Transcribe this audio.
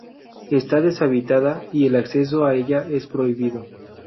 Está deshabitada y el acceso a ella es prohibido.